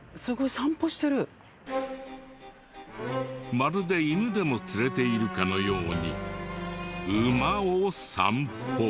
まるで犬でも連れているかのように馬を散歩。